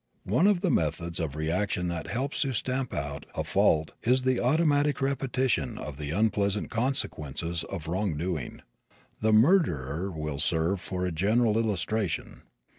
One of the methods of reaction that helps to stamp out a fault is the automatic repetition of the unpleasant consequences of wrong doing. The murderer will serve for a general illustration.